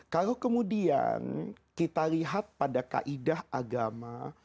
kalau kemudian kita lihat pada kaidah agama